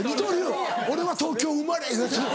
俺は東京生まれ